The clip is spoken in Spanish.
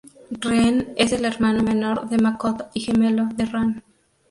Ren es el hermano menor de Makoto y gemelo de Ran.